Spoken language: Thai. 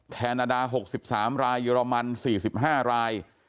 แคนาดา๖๓รายเยอรมัน๔๕ราย